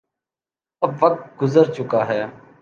اب وقت گزر چکا ہے۔